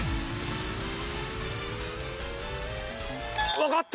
分かった！